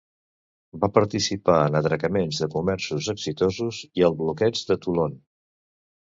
Va participar en atracaments de comerços exitosos i al bloqueig de Toulon.